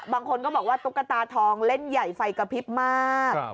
บางคนก็บอกว่าตุ๊กตาทองเล่นใหญ่ไฟกระพริบมาก